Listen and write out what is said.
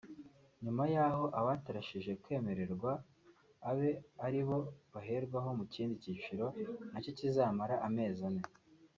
nyuma yaho abatarashije kwemererwa abe ari bo baherwaho mu kindi cyiciro na cyo kizamara amezi ane